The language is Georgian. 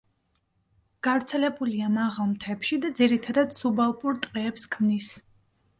გავრცელებულია მაღალ მთებში და ძირითადად სუბალპურ ტყეებს ქმნის.